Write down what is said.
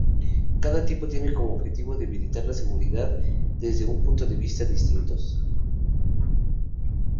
Cada tipo tiene como objetivo debilitar la seguridad desde un punto de vista distintos.